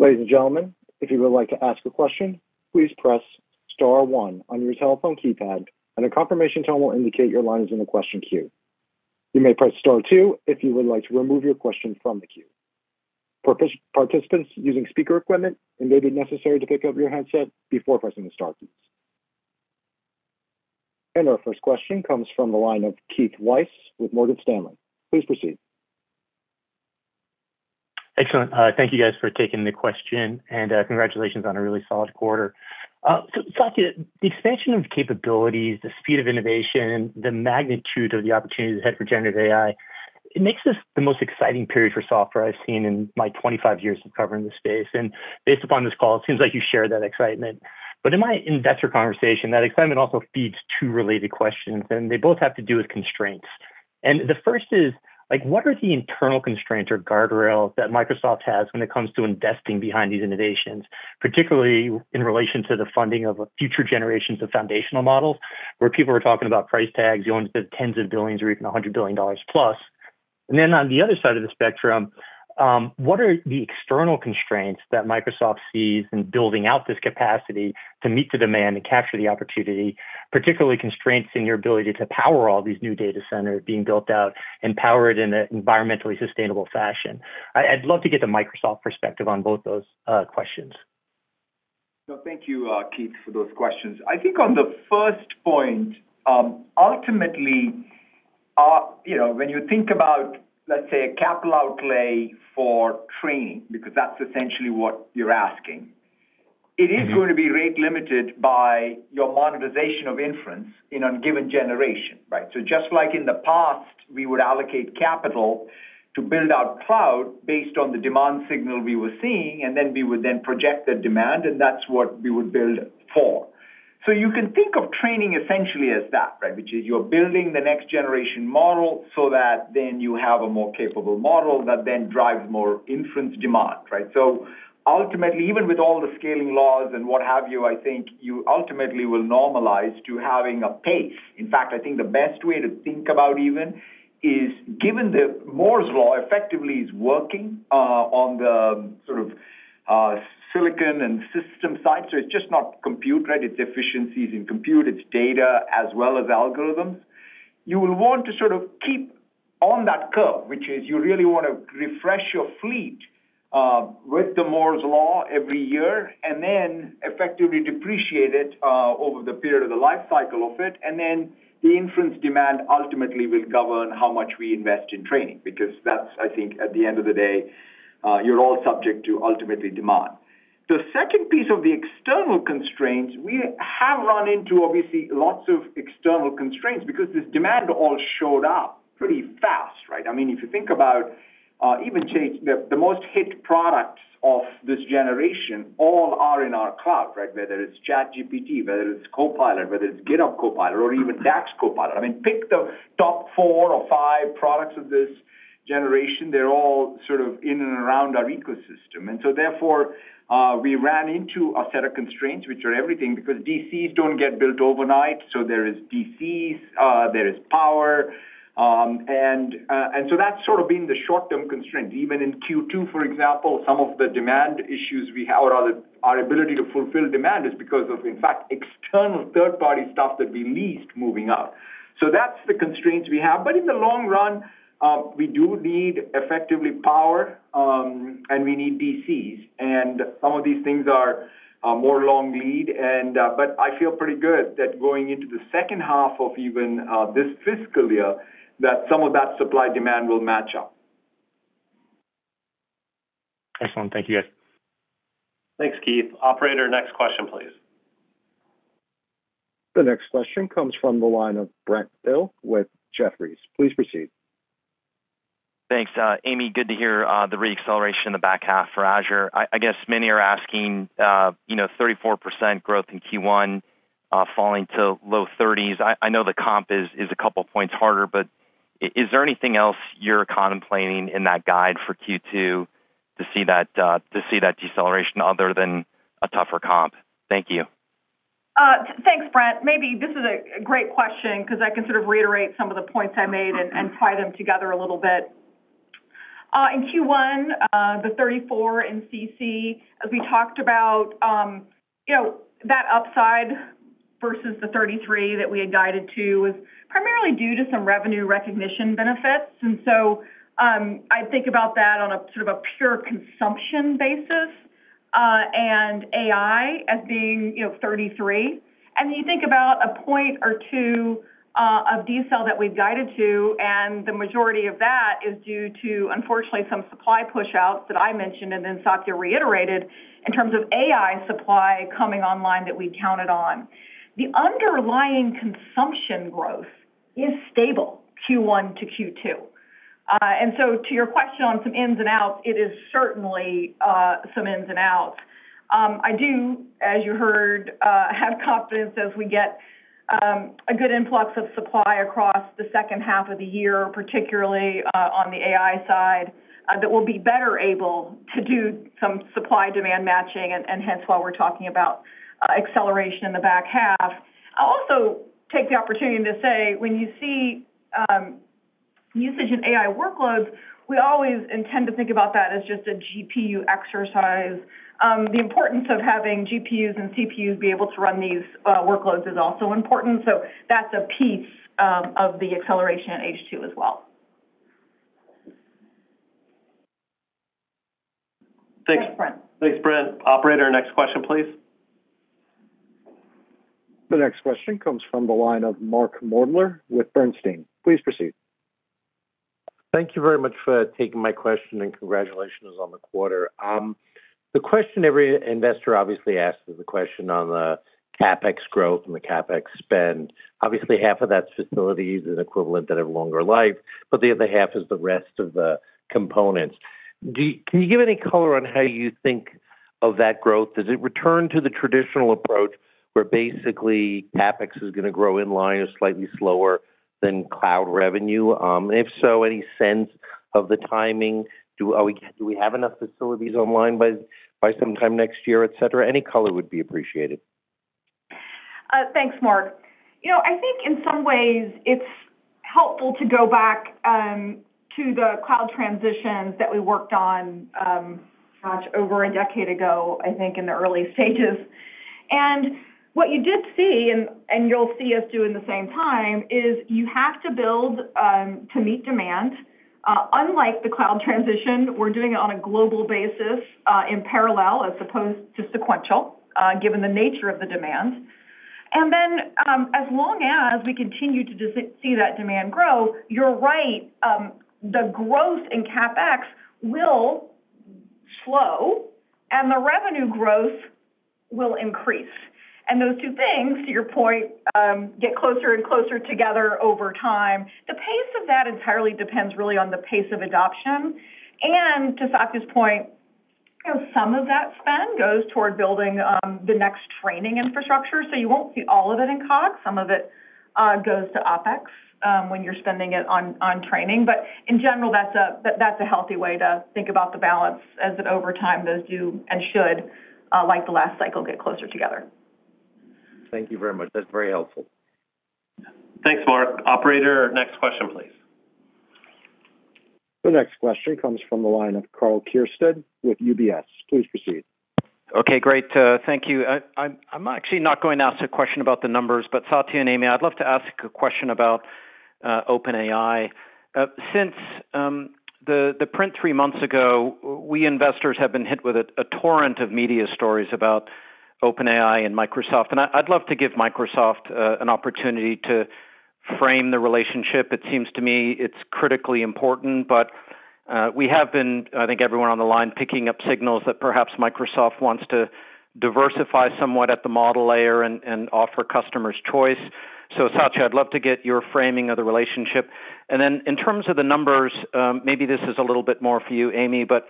Ladies and gentlemen, if you would like to ask a question, please press star one on your telephone keypad, and a confirmation tone will indicate your line is in the question queue. You may press star two if you would like to remove your question from the queue. For participants using speaker equipment, it may be necessary to pick up your headset before pressing the star keys. And our first question comes from the line of Keith Weiss with Morgan Stanley. Please proceed. Excellent. Thank you, guys, for taking the question, and congratulations on a really solid quarter. Satya, the expansion of capabilities, the speed of innovation, the magnitude of the opportunities ahead for generative AI, it makes this the most exciting period for software I've seen in my 25 years of covering the space. And based upon this call, it seems like you shared that excitement. But in my investor conversation, that excitement also feeds two related questions, and they both have to do with constraints. And the first is, what are the internal constraints or guardrails that Microsoft has when it comes to investing behind these innovations, particularly in relation to the funding of future generations of foundational models, where people are talking about price tags going to the tens of billions or even $100 billion plus? And then on the other side of the spectrum, what are the external constraints that Microsoft sees in building out this capacity to meet the demand and capture the opportunity, particularly constraints in your ability to power all these new data centers being built out and power it in an environmentally sustainable fashion? I'd love to get the Microsoft perspective on both those questions. Thank you, Keith, for those questions. I think on the first point, ultimately, when you think about, let's say, a capital outlay for training, because that's essentially what you're asking, it is going to be rate-limited by your monetization of inference in a given generation, right? So just like in the past, we would allocate capital to build out cloud based on the demand signal we were seeing, and then we would then project that demand, and that's what we would build for. So you can think of training essentially as that, right, which is you're building the next generation model so that then you have a more capable model that then drives more inference demand, right? So ultimately, even with all the scaling laws and what have you, I think you ultimately will normalize to having a pace. In fact, I think the best way to think about it even is given that Moore's Law effectively is working on the sort of silicon and system side, so it's just not compute, right? It's efficiencies in compute, it's data as well as algorithms. You will want to sort of keep on that curve, which is you really want to refresh your fleet with the Moore's Law every year and then effectively depreciate it over the period of the life cycle of it. And then the inference demand ultimately will govern how much we invest in training, because that's, I think, at the end of the day, you're all subject to ultimately demand. The second piece of the external constraints, we have run into, obviously, lots of external constraints because this demand all showed up pretty fast, right? I mean, if you think about even the most hyped products of this generation, all are in our cloud, right? Whether it's ChatGPT, whether it's Copilot, whether it's GitHub Copilot, or even DAX Copilot. I mean, pick the top four or five products of this generation. They're all sort of in and around our ecosystem. And so therefore, we ran into a set of constraints, which are everything, because DCs don't get built overnight, so there is DCs, there is power. And so that's sort of been the short-term constraint. Even in Q2, for example, some of the demand issues we have or our ability to fulfill demand is because of, in fact, external third-party stuff that we leased moving out. So that's the constraints we have. But in the long run, we do need effectively power, and we need DCs. And some of these things are more long lead. But I feel pretty good that going into the second half of even this fiscal year, that some of that supply demand will match up. Excellent. Thank you, guys. Thanks, Keith. Operator, next question, please. The next question comes from the line of Brent Thill with Jefferies. Please proceed. Thanks. Amy, good to hear the re-acceleration in the back half for Azure. I guess many are asking 34% growth in Q1 falling to low 30s. I know the comp is a couple of points harder, but is there anything else you're contemplating in that guide for Q2 to see that deceleration other than a tougher comp? Thank you. Thanks, Brett. Maybe this is a great question because I can sort of reiterate some of the points I made and tie them together a little bit. In Q1, the 34% in CC, as we talked about, that upside versus the 33% that we had guided to was primarily due to some revenue recognition benefits. So I think about that on a sort of a pure consumption basis and AI as being 33%. You think about a point or two of decel that we've guided to, and the majority of that is due to, unfortunately, some supply push-outs that I mentioned, and then Satya reiterated in terms of AI supply coming online that we counted on. The underlying consumption growth is stable Q1-Q2. To your question on some ins and outs, it is certainly some ins and outs. I do, as you heard, have confidence as we get a good influx of supply across the second half of the year, particularly on the AI side, that we'll be better able to do some supply-demand matching, and hence why we're talking about acceleration in the back half. I'll also take the opportunity to say, when you see usage in AI workloads, we always intend to think about that as just a GPU exercise. The importance of having GPUs and CPUs be able to run these workloads is also important. So that's a piece of the acceleration at H2 as well. Thanks, Brett. Thanks, Brett. Operator, next question, please. The next question comes from the line of Mark Moerdler with Bernstein. Please proceed. Thank you very much for taking my question and congratulations on the quarter. The question every investor obviously asks is the question on the CapEx growth and the CapEx spend. Obviously, half of that's facilities and equivalent that have longer life, but the other half is the rest of the components. Can you give any color on how you think of that growth? Does it return to the traditional approach where basically CapEx is going to grow in line or slightly slower than cloud revenue? And if so, any sense of the timing? Do we have enough facilities online by sometime next year, etc.? Any color would be appreciated. Thanks, Mark. I think in some ways it's helpful to go back to the cloud transitions that we worked on much over a decade ago, I think, in the early stages. And what you did see, and you'll see us do in the same time, is you have to build to meet demand. Unlike the cloud transition, we're doing it on a global basis in parallel as opposed to sequential, given the nature of the demand. And then as long as we continue to see that demand grow, you're right, the growth in CapEx will slow and the revenue growth will increase. And those two things, to your point, get closer and closer together over time. The pace of that entirely depends really on the pace of adoption. And to Satya's point, some of that spend goes toward building the next training infrastructure. So you won't see all of it in COGS. Some of it goes to OpEx when you're spending it on training. But in general, that's a healthy way to think about the balance as it over time does do and should, like the last cycle, get closer together. Thank you very much. That's very helpful. Thanks, Mark. Operator, next question, please. The next question comes from the line of Karl Keirstead with UBS. Please proceed. Okay, great. Thank you. I'm actually not going to ask a question about the numbers, but Satya and Amy, I'd love to ask a question about OpenAI. Since the print three months ago, we investors have been hit with a torrent of media stories about OpenAI and Microsoft. And I'd love to give Microsoft an opportunity to frame the relationship. It seems to me it's critically important, but we have been, I think everyone on the line, picking up signals that perhaps Microsoft wants to diversify somewhat at the model layer and offer customers choice. So Satya, I'd love to get your framing of the relationship. Then in terms of the numbers, maybe this is a little bit more for you, Amy, but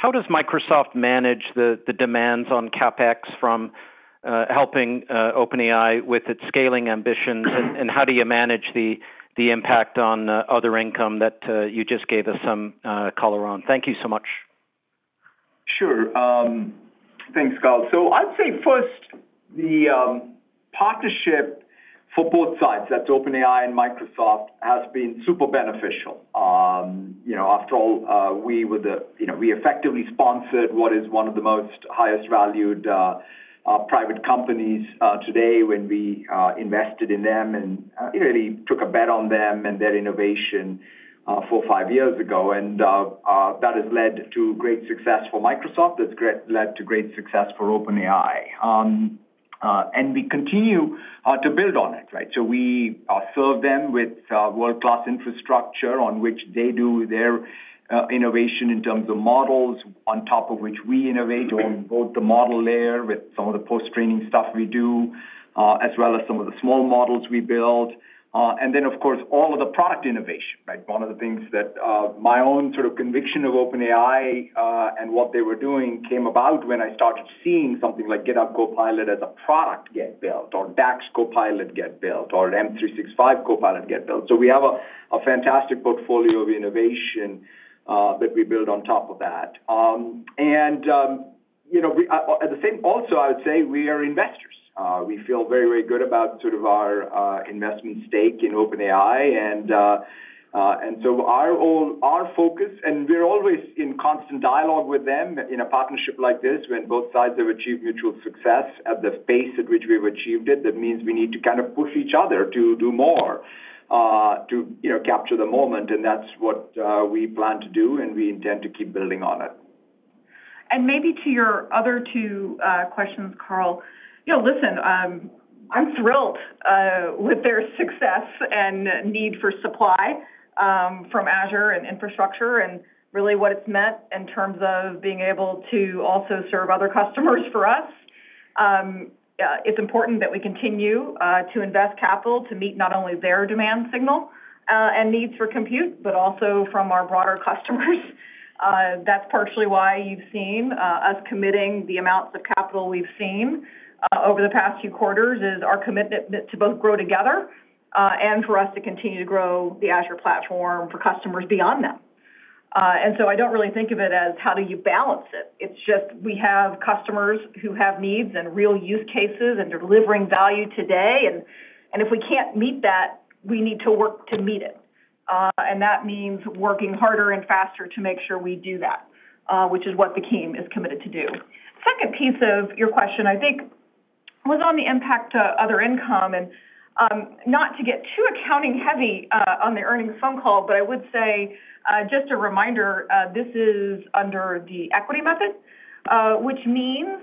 how does Microsoft manage the demands on CapEx from helping OpenAI with its scaling ambitions? And how do you manage the impact on other income that you just gave us some color on? Thank you so much. Sure. Thanks, Scott. So I'd say first, the partnership for both sides, that's OpenAI and Microsoft, has been super beneficial. After all, we effectively sponsored what is one of the most highest-valued private companies today when we invested in them and really took a bet on them and their innovation four or five years ago. And that has led to great success for Microsoft. That's led to great success for OpenAI. And we continue to build on it, right? So we serve them with world-class infrastructure on which they do their innovation in terms of models, on top of which we innovate on both the model layer with some of the post-training stuff we do, as well as some of the small models we build. And then, of course, all of the product innovation, right? One of the things that my own sort of conviction of OpenAI and what they were doing came about when I started seeing something like GitHub Copilot as a product get built or DAX Copilot get built or M365 Copilot get built. So we have a fantastic portfolio of innovation that we build on top of that. And at the same time, also, I would say we are investors. We feel very, very good about sort of our investment stake in OpenAI. Our focus is, and we're always in constant dialogue with them in a partnership like this when both sides have achieved mutual success at the pace at which we've achieved it. That means we need to kind of push each other to do more to capture the moment. That's what we plan to do, and we intend to keep building on it. Maybe to your other two questions, Karl. Listen, I'm thrilled with their success and need for supply from Azure and infrastructure and really what it's meant in terms of being able to also serve other customers for us. It's important that we continue to invest capital to meet not only their demand signal and needs for compute, but also from our broader customers. That's partially why you've seen us committing the amounts of capital we've seen over the past few quarters is our commitment to both grow together and for us to continue to grow the Azure platform for customers beyond them. And so I don't really think of it as how do you balance it. It's just we have customers who have needs and real use cases, and they're delivering value today. And if we can't meet that, we need to work to meet it. And that means working harder and faster to make sure we do that, which is what the team is committed to do. Second piece of your question, I think, was on the impact to other income. Not to get too accounting-heavy on the earnings phone call, but I would say just a reminder, this is under the equity method, which means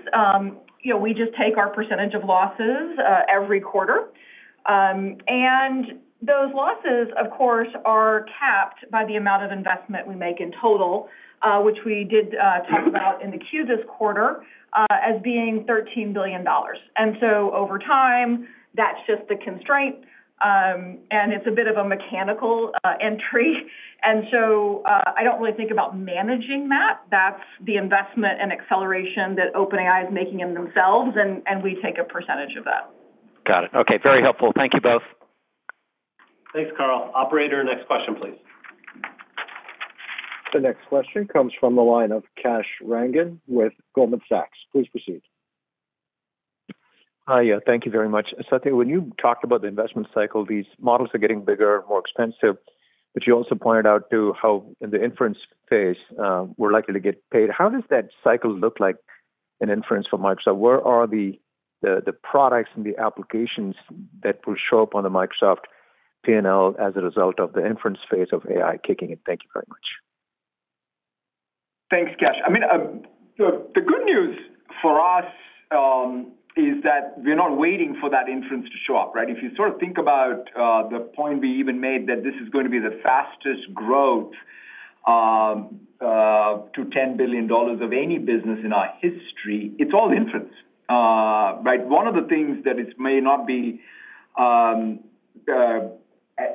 we just take our percentage of losses every quarter. And those losses, of course, are capped by the amount of investment we make in total, which we did talk about in the Q this quarter as being $13 billion. And so over time, that's just the constraint. And it's a bit of a mechanical entry. And so I don't really think about managing that. That's the investment and acceleration that OpenAI is making in themselves, and we take a percentage of that. Got it. Okay. Very helpful. Thank you both. Thanks, Karl. Operator, next question, please. The next question comes from the line of Kash Rangan with Goldman Sachs. Please proceed. Hiya. Thank you very much. Satya, when you talked about the investment cycle, these models are getting bigger, more expensive, but you also pointed out too how in the inference phase we're likely to get paid. How does that cycle look like in inference for Microsoft? Where are the products and the applications that will show up on the Microsoft P&L as a result of the inference phase of AI kicking in? Thank you very much. Thanks, Kash. I mean, the good news for us is that we're not waiting for that inference to show up, right? If you sort of think about the point we even made that this is going to be the fastest growth to $10 billion of any business in our history, it's all inference, right? One of the things that may not be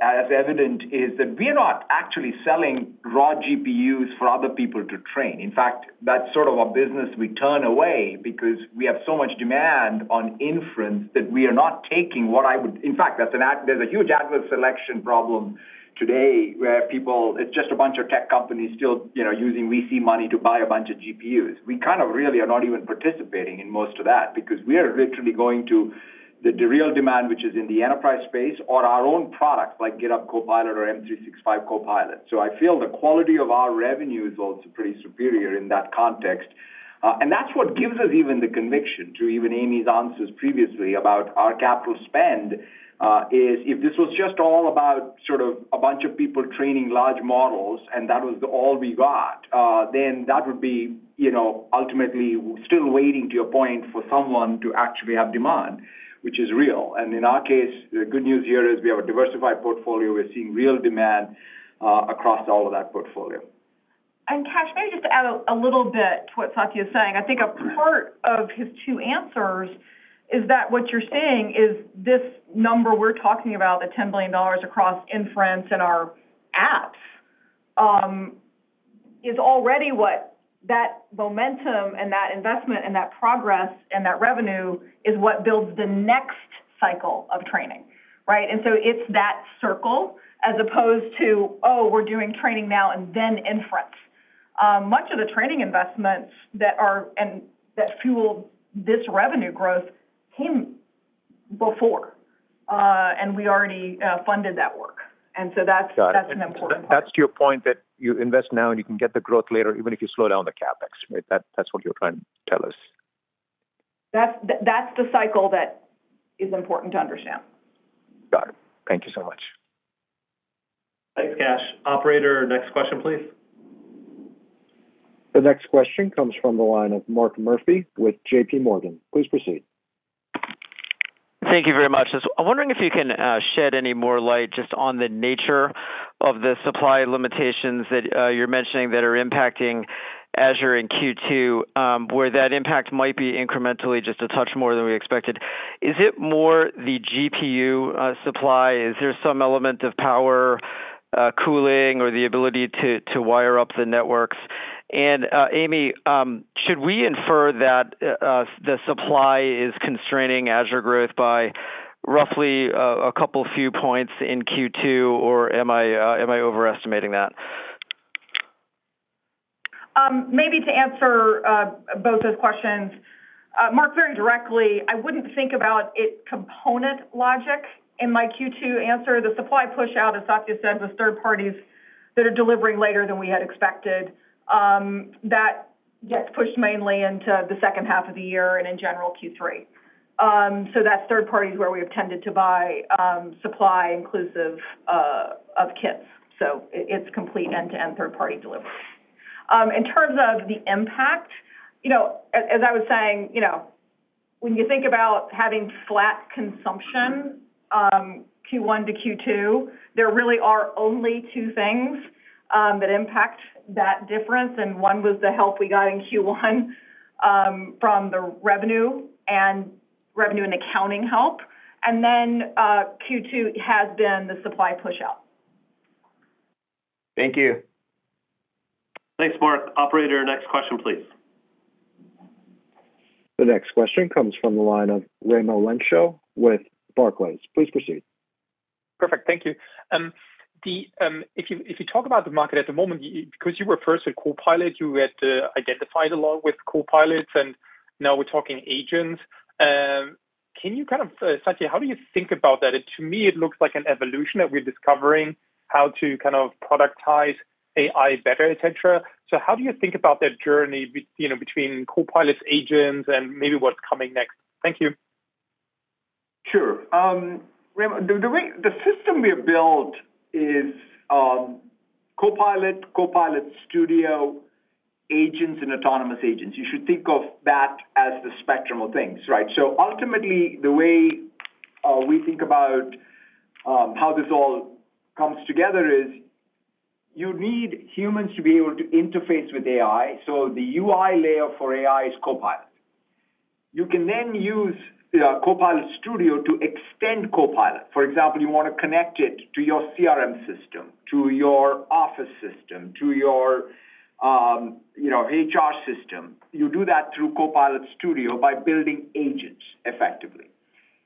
as evident is that we're not actually selling raw GPUs for other people to train. In fact, that's sort of a business we turn away because we have so much demand on inference that we are not taking what I would, in fact, there's a huge adverse selection problem today where people, it's just a bunch of tech companies still using VC money to buy a bunch of GPUs. We kind of really are not even participating in most of that because we are literally going to the real demand, which is in the enterprise space or our own products like GitHub Copilot or M365 Copilot. So I feel the quality of our revenue is also pretty superior in that context. And that's what gives us even the conviction to even Amy's answers previously about our capital spend is if this was just all about sort of a bunch of people training large models and that was all we got, then that would be ultimately still waiting, to your point, for someone to actually have demand, which is real. And in our case, the good news here is we have a diversified portfolio. We're seeing real demand across all of that portfolio. And Kash, maybe just to add a little bit to what Satya is saying, I think a part of his two answers is that what you're saying is this number we're talking about, the $10 billion across inference and our apps, is already what that momentum and that investment and that progress and that revenue is what builds the next cycle of training, right? And so it's that circle as opposed to, "Oh, we're doing training now and then inference." Much of the training investments that fueled this revenue growth came before, and we already funded that work. And so that's an important part. Got it. That's to your point that you invest now and you can get the growth later even if you slow down the CapEx, right? That's what you're trying to tell us. That's the cycle that is important to understand. Got it. Thank you so much. Thanks, Kash. Operator, next question, please. The next question comes from the line of Mark Murphy with J.P. Morgan. Please proceed. Thank you very much. I'm wondering if you can shed any more light just on the nature of the supply limitations that you're mentioning that are impacting Azure and Q2, where that impact might be incrementally just a touch more than we expected. Is it more the GPU supply? Is there some element of power cooling or the ability to wire up the networks? And Amy, should we infer that the supply is constraining Azure growth by roughly a couple few points in Q2, or am I overestimating that? Maybe to answer both those questions, Mark, very directly. I wouldn't think about it component logic in my Q2 answer. The supply push-out, as Satya said, was third parties that are delivering later than we had expected. That gets pushed mainly into the second half of the year and in general Q3. So that's third parties where we have tended to buy supply inclusive of kits. So it's complete end-to-end third-party delivery. In terms of the impact, as I was saying, when you think about having flat consumption Q1 to Q2, there really are only two things that impact that difference. And one was the help we got in Q1 from the revenue and accounting help. And then Q2 has been the supply push-out. Thank you. Thanks, Mark. Operator, next question, please. The next question comes from the line of Raimo Lenschow with Barclays. Please proceed. Perfect. Thank you. If you talk about the market at the moment, because you were first with Copilot, you had identified a lot with Copilot, and now we're talking agents. Can you kind of, Satya, how do you think about that? To me, it looks like an evolution that we're discovering how to kind of productize AI better, etc. So how do you think about that journey between Copilot, agents, and maybe what's coming next? Thank you. Sure. The system we have built is Copilot, Copilot Studio, agents, and autonomous agents. You should think of that as the spectrum of things, right? So ultimately, the way we think about how this all comes together is you need humans to be able to interface with AI. So the UI layer for AI is Copilot. You can then use Copilot Studio to extend Copilot. For example, you want to connect it to your CRM system, to your office system, to your HR system. You do that through Copilot Studio by building agents effectively.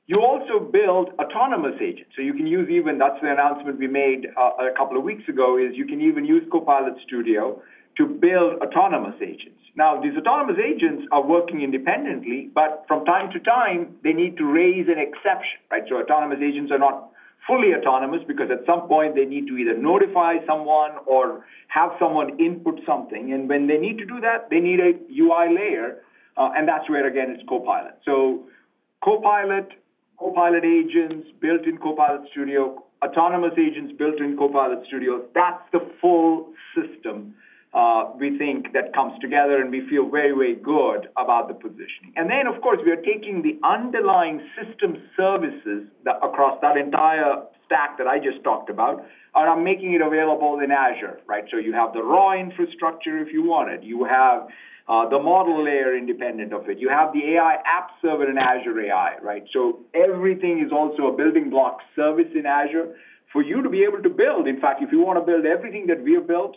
You also build autonomous agents. So you can use even, that's the announcement we made a couple of weeks ago, is you can even use Copilot Studio to build autonomous agents. Now, these autonomous agents are working independently, but from time to time, they need to raise an exception, right? So autonomous agents are not fully autonomous because at some point, they need to either notify someone or have someone input something. And when they need to do that, they need a UI layer. And that's where, again, it's Copilot. So Copilot, Copilot agents, built-in Copilot Studio, autonomous agents built in Copilot Studio, that's the full system we think that comes together, and we feel very, very good about the positioning. And then, of course, we are taking the underlying system services across that entire stack that I just talked about, and I'm making it available in Azure, right? So you have the raw infrastructure if you want it. You have the model layer independent of it. You have the AI app server in Azure AI, right? So everything is also a building block service in Azure for you to be able to build. In fact, if you want to build everything that we have built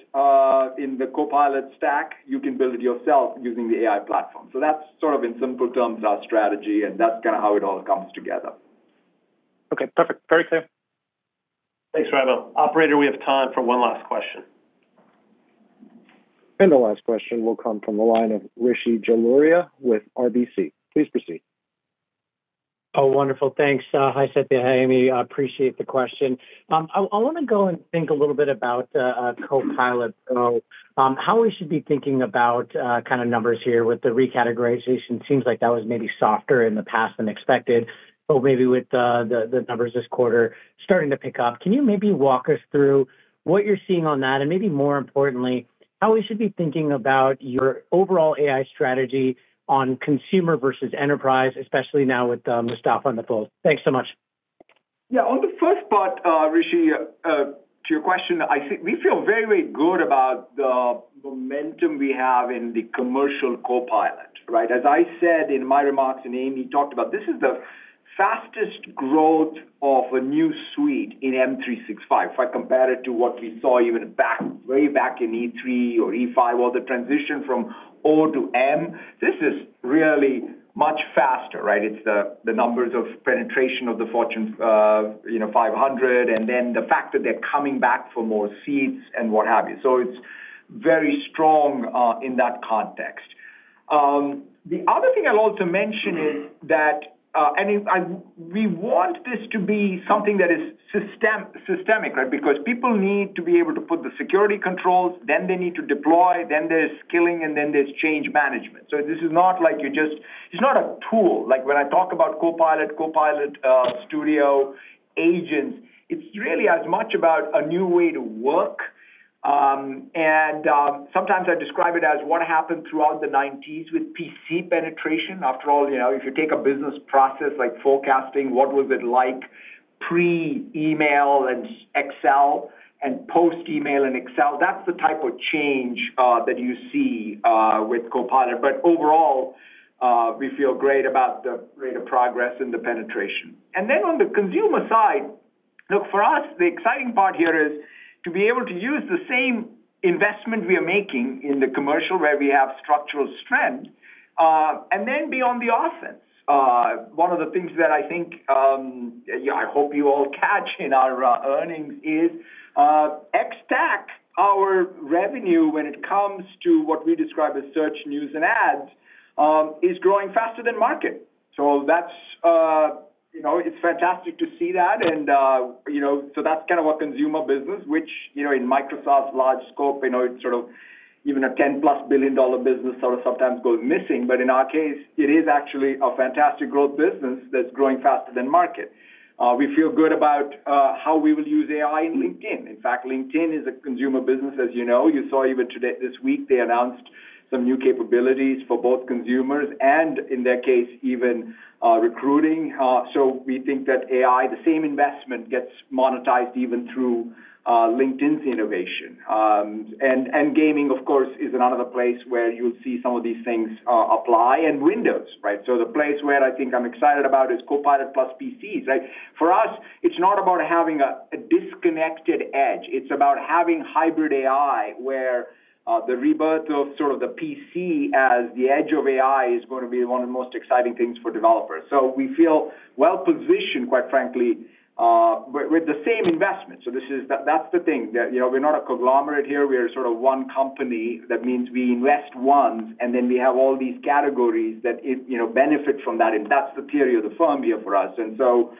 in the Copilot stack, you can build it yourself using the AI platform. So that's sort of, in simple terms, our strategy, and that's kind of how it all comes together. Okay. Perfect. Very clear. Thanks, Raimo. Operator, we have time for one last question. And the last question will come from the line of Rishi Jaluria with RBC. Please proceed. Oh, wonderful. Thanks. Hi, Satya. Hi, Amy. I appreciate the question. I want to go and think a little bit about Copilot, how we should be thinking about kind of numbers here with the recategorization. It seems like that was maybe softer in the past than expected, but maybe with the numbers this quarter starting to pick up, can you maybe walk us through what you're seeing on that? And maybe more importantly, how we should be thinking about your overall AI strategy on consumer versus enterprise, especially now with Mustafa on the phone? Thanks so much. Yeah. On the first part, Rishi, to your question, we feel very, very good about the momentum we have in the commercial Copilot, right? As I said in my remarks and Amy talked about, this is the fastest growth of a new suite in M365. If I compare it to what we saw even way back in E3 or E5, all the transition from O to M, this is really much faster, right? It's the numbers of penetration of the Fortune 500 and then the fact that they're coming back for more seats and what have you. So it's very strong in that context. The other thing I'll also mention is that we want this to be something that is systemic, right? Because people need to be able to put the security controls, then they need to deploy, then there's skilling, and then there's change management. This is not like you just. It's not a tool. When I talk about Copilot, Copilot Studio, agents, it's really as much about a new way to work. Sometimes I describe it as what happened throughout the 1990s with PC penetration. After all, if you take a business process like forecasting, what was it like pre-email and Excel and post-email and Excel? That's the type of change that you see with Copilot. Overall, we feel great about the rate of progress in the penetration. Then on the consumer side, look, for us, the exciting part here is to be able to use the same investment we are making in the commercial where we have structural strength and then be on the offense. One of the things that I think I hope you all catch in our earnings is ex-TAC, our revenue when it comes to what we describe as search, news, and ads, is growing faster than market, so it's fantastic to see that, and so that's kind of our consumer business, which in Microsoft's large scope, it's sort of even a 10-plus billion-dollar business sort of sometimes goes missing, but in our case, it is actually a fantastic growth business that's growing faster than market. We feel good about how we will use AI in LinkedIn. In fact, LinkedIn is a consumer business, as you know. You saw even this week they announced some new capabilities for both consumers and, in their case, even recruiting, so we think that AI, the same investment, gets monetized even through LinkedIn's innovation. And gaming, of course, is another place where you'll see some of these things apply. And Windows, right? So the place where I think I'm excited about is Copilot+ PCs, right? For us, it's not about having a disconnected edge. It's about having hybrid AI where the rebirth of sort of the PC as the edge of AI is going to be one of the most exciting things for developers. So we feel well-positioned, quite frankly, with the same investment. So that's the thing. We're not a conglomerate here. We are sort of one company. That means we invest once, and then we have all these categories that benefit from that. That's the theory of the firm here for us. And so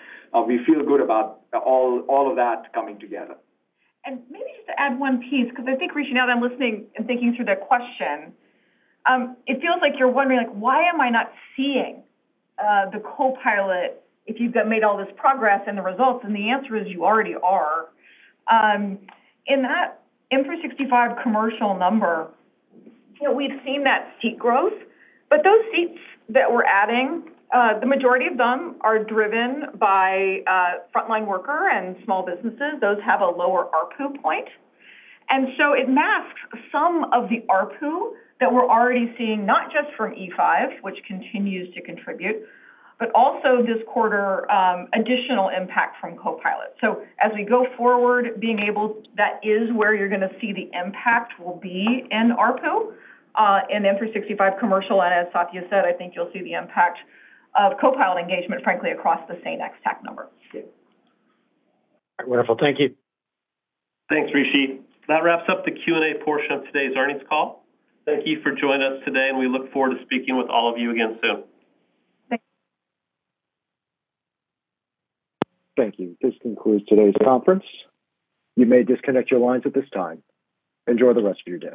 we feel good about all of that coming together. And maybe just to add one piece, because I think, Rishi, now that I'm listening and thinking through that question, it feels like you're wondering, "Why am I not seeing the Copilot if you've made all this progress and the results?" And the answer is you already are. In that M365 commercial number, we've seen that seat growth, but those seats that we're adding, the majority of them are driven by frontline worker and small businesses. Those have a lower ARPU point. And so it masks some of the ARPU that we're already seeing, not just from E5, which continues to contribute, but also this quarter additional impact from Copilot. So as we go forward, being able—that is where you're going to see the impact will be in ARPU and M365 commercial. And as Satya said, I think you'll see the impact of Copilot engagement, frankly, across the same ex-TAC number. All right. Thank you. Thanks, Rishi. That wraps up the Q&A portion of today's earnings call. Thank you for joining us today, and we look forward to speaking with all of you again soon. Thank you. Thank you. This concludes today's conference. You may disconnect your lines at this time. Enjoy the rest of your day.